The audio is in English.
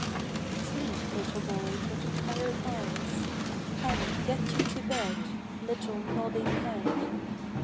Sleep, little boy with the tired eyes. Come get you to bed, Little nodding head.